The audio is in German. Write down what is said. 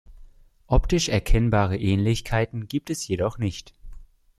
Optisch erkennbare Ähnlichkeiten gibt es jedoch nicht.